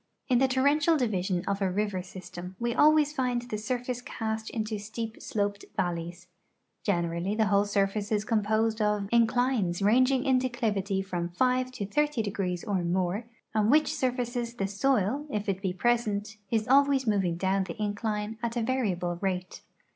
In the torrential division of a river system we always find the surface cast into steep sloped valle3's. Generally the whole surface is composed of inclines ranging in declivitv' from five to thirty degrees or more, on which surfaces the soil, if it be present, is alwavs moving down the incline at a variable rate.